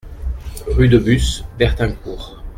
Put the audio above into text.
Rue de Bus, Bertincourt